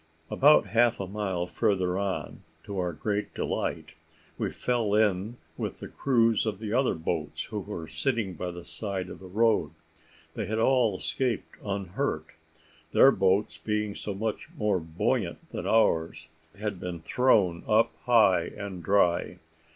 About half a mile further on, to our great delight, we fell in with the crews of the other boats, who were sitting by the side of the road. They had all escaped unhurt: their boats being so much more buoyant than ours, had been thrown up high and dry.